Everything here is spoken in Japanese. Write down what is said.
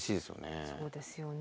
そうですよね。